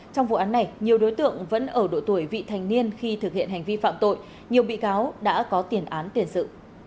trong vụ án này nhiều đối tượng vẫn ở độ tuổi vị thành niên khi thực hiện hành vi phạm tội nhiều bị cáo đã có tiền án tiền sự